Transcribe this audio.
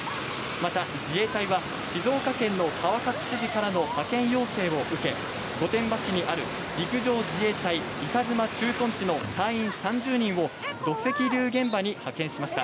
また自衛隊は、静岡県の川崎知事からの、川勝知事からの派遣要請を受け、御殿場市にある陸上自衛隊板妻駐屯地の隊員３０人を土石流現場に派遣しました。